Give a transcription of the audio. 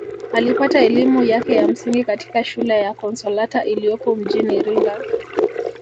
Alipata elimu yake ya msingi katika shule ya Consalata iliyopo mjini Iringa